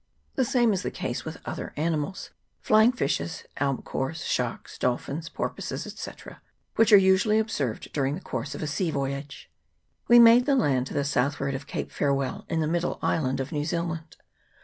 The same is the case with other animals, flying fishes, albicorns, sharks, dolphins, porpoises, &c., which are usually observed during the course of a sea voyage. We made the land to the southward of Cape Fare well, in the middle island of New Zealand.